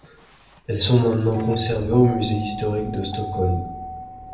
Elles sont maintenant conservées au Musée historique de Stockholm.